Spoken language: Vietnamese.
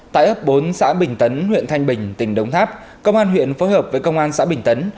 tại ấp bốn xã bình tấn huyện thanh bình tỉnh đống tháp công an huyện phối hợp với công an xã bình tấn